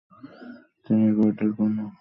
তিনি এই কবিতাটির কোনো শিরোনাম দেননি।